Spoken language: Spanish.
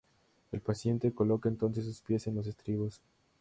El paciente coloca entonces sus pies en los estribos.